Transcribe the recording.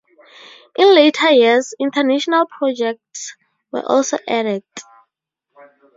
In later years, international projects were also added.